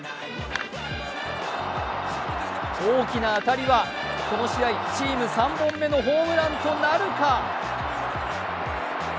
大きな当たりは、この試合チーム３本目のホームランとなるか。